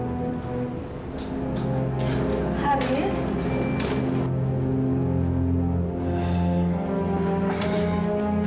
kamila sudah selesai mencari ginjalnya